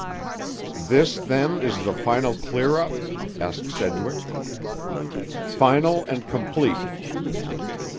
"This, then, is the final clear up?" asked Sedgwick. "Final and complete."